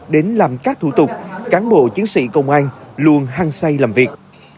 đến làm các thủ tục cán bộ chiến sĩ công an luôn hăng say làm việc